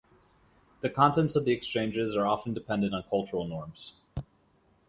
The contents of the exchanges are often dependent on cultural norms.